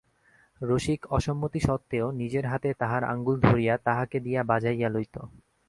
রসিক অসম্মতিসত্ত্বেও নিজের হাতে তাহার আঙুল ধরিয়া তাহাকে দিয়া বাজাইয়া লইত।